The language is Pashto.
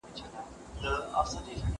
که ویبپاڼه وي نو معلومات نه ورک کیږي.